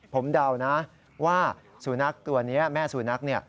ผมเดานะว่าสุนัขตัวนี้แม่สุนัขเนี่ย